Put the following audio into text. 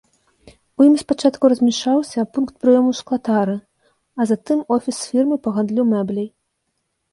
У ім спачатку размяшчаўся пункт прыёму шклатары, а затым офіс фірмы па гандлю мэбляй.